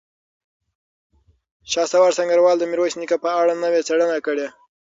شهسوار سنګروال د میرویس نیکه په اړه نوې څېړنه کړې.